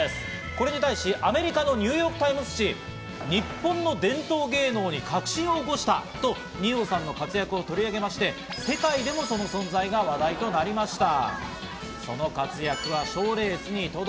これに対し、アメリカのニューヨーク・タイムズ紙、日本の伝統芸能に革新を起こしたと二葉さんの活躍をとり上げまして、世界でもその存在が話題となりました。